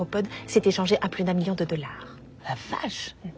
うん。